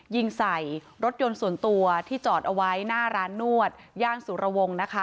ยิงใส่รถยนต์ส่วนตัวที่จอดเอาไว้หน้าร้านนวดย่างสุรวงศ์นะคะ